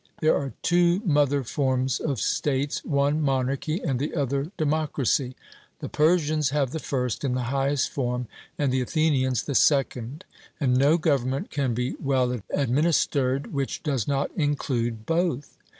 There are two mother forms of states one monarchy, and the other democracy: the Persians have the first in the highest form, and the Athenians the second; and no government can be well administered which does not include both.